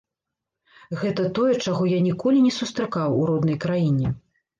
Гэта тое, чаго я ніколі не сустракаў у роднай краіне.